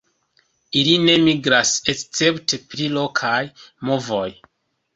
Ili ne migras escepte pri lokaj movoj.